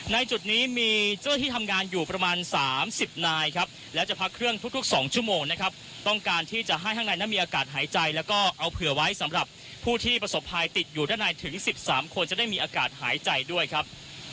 จุดนี้มีเจ้าที่ทำงานอยู่ประมาณ๓๐นายครับและจะพักเครื่องทุก๒ชั่วโมงนะครับต้องการที่จะให้ข้างในนั้นมีอากาศหายใจแล้วก็เอาเผื่อไว้สำหรับผู้ที่ประสบภัยติดอยู่ด้านในถึง๑๓คนจะได้มีอากาศหายใจด้วยครับ